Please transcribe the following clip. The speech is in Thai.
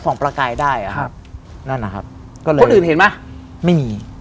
ไม่มี